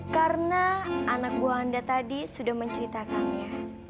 karena anak buah anda tadi sudah menceritakannya